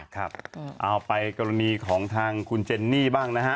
ครับเอาไปกรณีของทางคุณเจนนี่บ้างนะฮะ